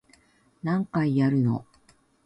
何回やるの